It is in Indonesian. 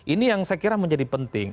ini yang saya kira menjadi penting